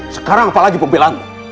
sekarang apalagi pempilanku